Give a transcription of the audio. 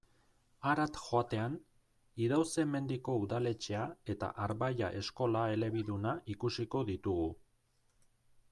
Harat joatean, Idauze-Mendiko udaletxea eta Arbailla eskola elebiduna ikusiko ditugu.